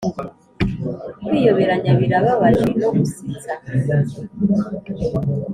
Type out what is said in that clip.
kwiyoberanya birababaje no gusetsa